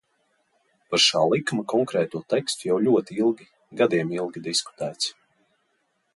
Par šā likuma konkrēto tekstu jau ļoti ilgi, gadiem ilgi, diskutēts.